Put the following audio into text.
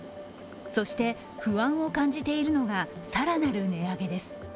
そして、不安を感じているのが更なる値上げです。